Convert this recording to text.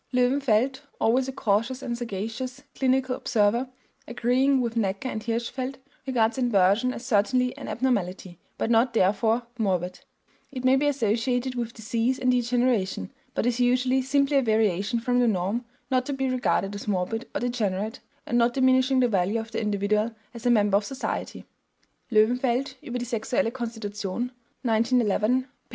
Löwenfeld, always a cautious and sagacious clinical observer, agreeing with Näcke and Hirschfeld, regards inversion as certainly an abnormality, but not therefore morbid; it may be associated with disease and degeneration, but is usually simply a variation from the norm, not to be regarded as morbid or degenerate, and not diminishing the value of the individual as a member of society (Löwenfeld, Ueber die sexuelle Konstitution, 1911, p.